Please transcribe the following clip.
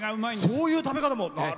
そういう食べ方も！